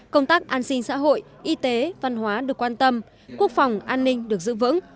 công tác an sinh xã hội y tế văn hóa được quan tâm quốc phòng an ninh được giữ vững